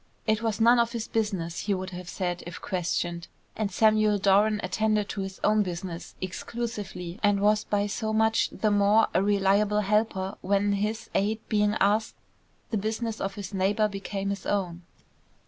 "It was none of his business," he would have said if questioned, and Samuel Doran attended to his own business exclusively and was by so much the more a reliable helper when, his aid being asked, the business of his neighbour became his own.